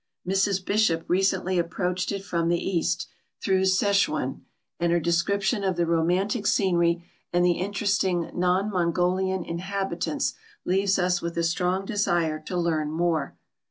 Mrs Bishop recently approached it from the east, through Sze chuen, and her descrip tion of the romantic scenery and the interesting non Mongolian inhabitants leaves us with a strong desire to learn more.